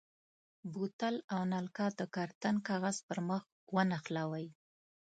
بوتل او نلکه د کارتن کاغذ پر مخ ونښلوئ.